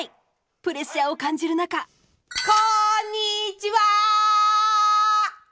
プレッシャーを感じる中こんにちは！